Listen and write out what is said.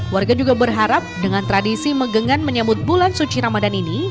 warga juga berharap dengan tradisi megangan menyambut bulan suci ramadan ini